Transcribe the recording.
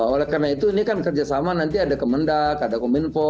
oleh karena itu ini kan kerjasama nanti ada kemendak ada kominfo